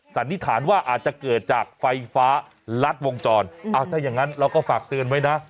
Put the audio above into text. สันนิษฐานว่าอาจจะเกิดจากไฟฟ้ารัดวงจรอ้าวถ้าอย่างนั้นเราก็ฝากเตือนไว้นะ